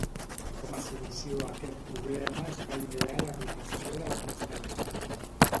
Com a solució a aquest problema es va idear la rotació de la constel·lació.